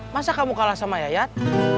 masa kamu kalah sama yayat